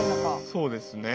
そうですね